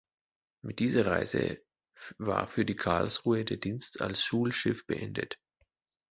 Mit dieser Reise war für die "Karlsruhe" der Dienst als Schulschiff beendet.